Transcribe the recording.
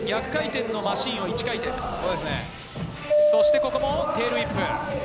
ここもテールウィップ。